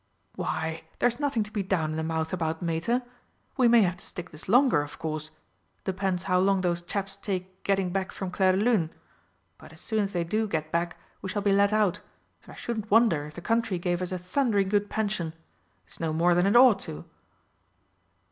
"Why, there's nothing to be down in the mouth about, Mater. We may have to stick this longer, of course depends how long those chaps take getting back from Clairdelune. But as soon as they do get back we shall be let out, and I shouldn't wonder if the Country gave us a thundering good pension. It's no more than it ought to."